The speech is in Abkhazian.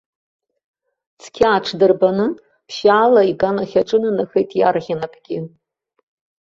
Цқьа аҽдырбаны, ԥшьаала иганахь аҿынанахеит иарӷьа напгьы.